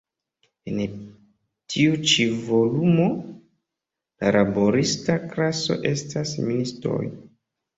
En tiu ĉi volumo, la laborista klaso estas ministoj.